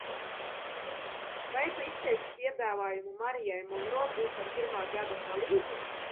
Vai tu izteici piedāvājumu Marijai Monro būt par pirmā gada palīdzi?